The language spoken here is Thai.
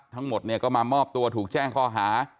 ทั้งหมดเนี่ยก็มามอบตัวถูกแจ้งข้อหา